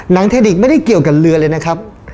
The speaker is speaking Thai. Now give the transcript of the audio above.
เทรดิกไม่ได้เกี่ยวกับเรือเลยนะครับ